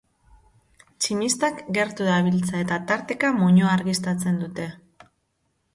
Tximistak gertu dabiltza, eta tarteka muinoa argiztatzen dute.